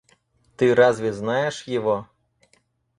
Ты разве знаешь его?